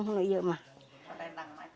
selendang itu saya alihkan